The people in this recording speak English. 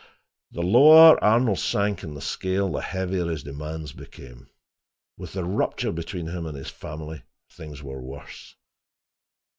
The lower Arnold sank in the scale, the heavier his demands became. With the rupture between him and his family, things were worse.